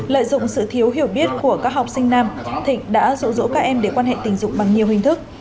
lợi dụng sự thiếu hiểu biết của các học sinh nam thịnh đã rỗ các em để quan hệ tình dụng bằng nhiều hình thức